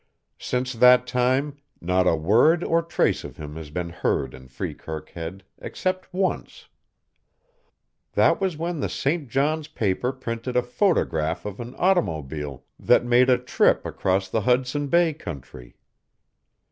Since that time not a word or trace of him had been heard in Freekirk Head except once. That was when the St. John's paper printed a photograph of an automobile that made a trip across the Hudson Bay country.